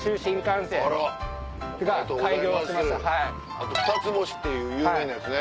あとふたつ星っていう有名なやつね。